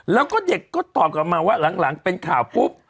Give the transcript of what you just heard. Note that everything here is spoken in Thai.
แล้วก็เด็กก็ตอบกลับมาว่าหลังเป็นข่าวปุ๊บ